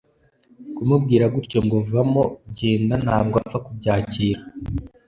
kumubwira gutyo ngo vamo genda ntabwo apfa kubyakira